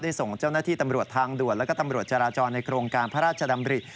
ส่งเจ้าหน้าที่ตำรวจทางด่วนแล้วก็ตำรวจจราจรในโครงการพระราชดำริ